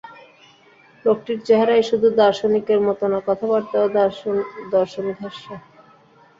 লোকটির চেহারাই শুধু দার্শনিকের মতো না, কথাবার্তাও দর্শনঘেঁষা।